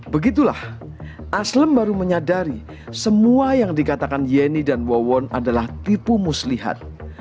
begitulah aslem baru menyadari semua yang dikatakan yeni dan wawon adalah tipu muslihat